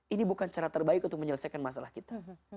ini bukan cara terbaik untuk menyelesaikan masalah kita